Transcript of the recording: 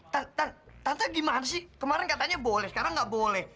tan tan tante gimana sih kemaren katanya boleh sekarang nggak boleh